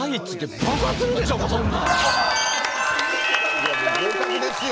いやもう合格ですよ。